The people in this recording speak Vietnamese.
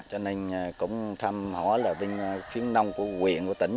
cho nên cũng tham hóa phía nông của huyện của tỉnh